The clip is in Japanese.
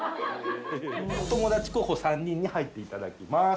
お友達候補３人に入って頂きます。